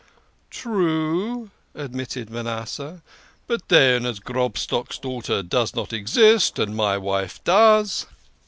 "True," admitted Manasseh. "But then, as Grobstock's daughter does not exist, and my wife does